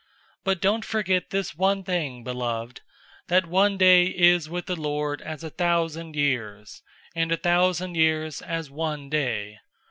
003:008 But don't forget this one thing, beloved, that one day is with the Lord as a thousand years, and a thousand years as one day.